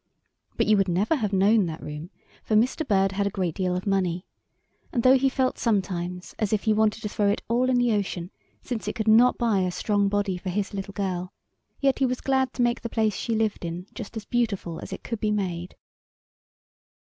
But you never would have known that room; for Mr. Bird had a great deal of money, and though he felt sometimes as if he wanted to throw it all in the ocean, since it could not buy a strong body for his little girl, yet he was glad to make the place she lived in just as beautiful as it could be made.